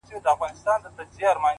دا ستا خبري او ښكنځاوي گراني ـ